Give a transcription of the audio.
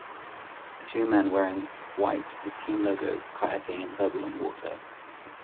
Two men wearing white with team logos, kayaking in turbulent water.